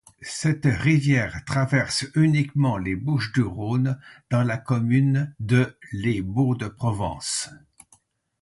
Cette rivière traverse uniquement les Bouches-du-Rhône, dans la commune de Les Baux-de-Provence.